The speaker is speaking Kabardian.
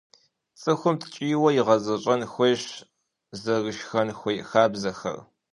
ЦӀыхум ткӀийуэ игъэзэщӀэн хуейщ зэрышхэн хуей хабзэхэр.